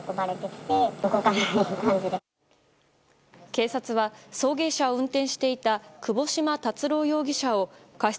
警察は、送迎車を運転していた窪島達郎容疑者を過失